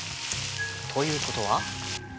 ということは？